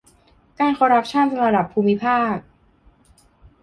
การคอร์รัปชั่นระดับภูมิภาค